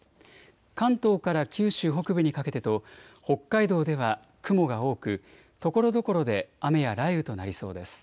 関東から九州北部にかけてと北海道では雲が多くところどころで雨や雷雨となりそうです。